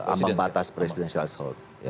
ambang batas presidensial tersor